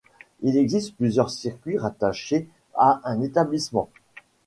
Il existe plusieurs circuits rattachés à un établissement.